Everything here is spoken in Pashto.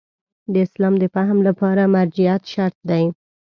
د اسلام د فهم لپاره مرجعیت شرط دی.